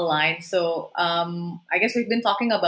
apa yang kita sedang mencoba untuk mencoba